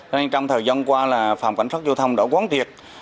nên trong thời gian qua là phòng cảnh sát giao thông đã quán triệt